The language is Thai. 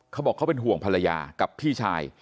เขาบอกเขาเป็นห่วงภรรยากับพี่ชาย